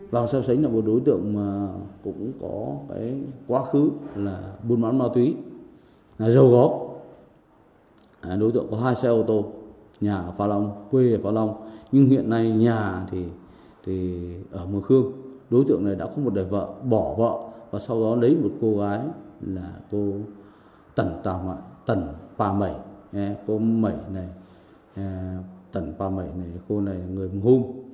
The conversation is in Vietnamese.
tần tà mạng tần pà mẩy cô mẩy này tần pà mẩy này cô này là người hùng hôn